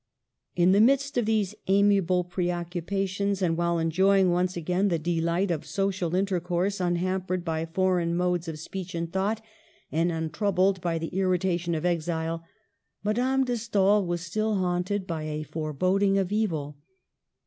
In the midst of these amiable preoccupations, and while enjoying once again the delight of social intercourse, unhampered by foreign modes of speech and thought, and untroubled by the irrita tion of exile, Madame de Stael was still haunted by a foreboding of evil.